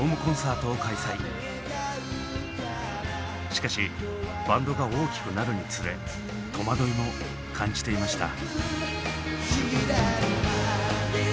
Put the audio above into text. しかしバンドが大きくなるにつれ戸惑いも感じていました。